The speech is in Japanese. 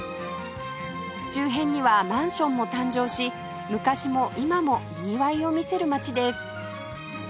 周辺にはマンションも誕生し昔も今もにぎわいをみせる町です